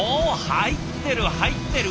入ってる入ってる。